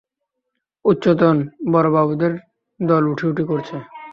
উচ্চতন বড়োবাবুদের দল উঠি-উঠি করছে।